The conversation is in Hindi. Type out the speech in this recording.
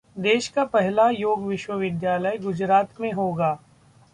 देश का पहला योग विश्वविद्यालय गुजरात में होगा